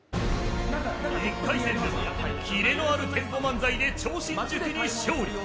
１回戦でキレのあるテンポ漫才で超新塾に勝利。